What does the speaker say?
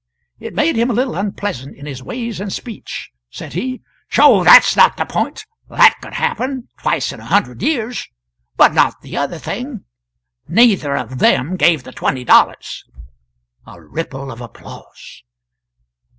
It made him a little unpleasant in his ways and speech. Said he: "Sho, that's not the point! That could happen twice in a hundred years but not the other thing. Neither of them gave the twenty dollars!" [A ripple of applause.